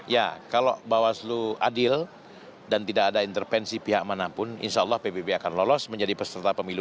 ya kalau bawaslu adil dan tidak ada intervensi pihak manapun insya allah ppp akan lolos menjadi peserta pemilu dua ribu sembilan belas